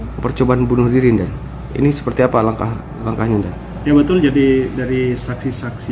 kepercobaan bunuh dirinda ini seperti apa langkah langkahnya yang betul jadi dari saksi saksi